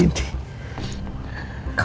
ini benimak pak